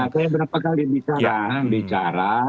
ya itu dia saya berapa kali bicara